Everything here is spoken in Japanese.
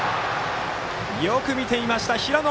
よく見ていました、平野！